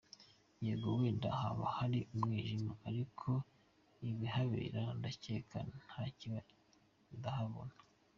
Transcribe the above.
Yego wenda haba hari umwijima, ariko ibihabera ndakeka ntakibi ndahabona .